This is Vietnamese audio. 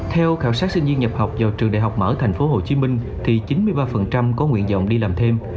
theo khảo sát sinh viên nhập học vào trường đại học mở tp hcm thì chín mươi ba có nguyện vọng đi làm thêm